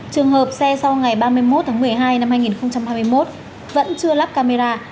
trường hợp xe sau ngày ba mươi một tháng một mươi hai năm hai nghìn hai mươi một vẫn chưa lắp camera